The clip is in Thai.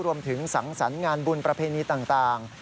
สังสรรค์งานบุญประเพณีต่าง